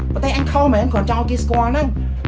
ประเทศอังเขาเหมือนกว่าจังกี่สกวงนั่ง